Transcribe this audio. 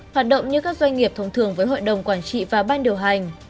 hoạt động như các doanh nghiệp thông thường với hội đồng quản trị và ban điều hành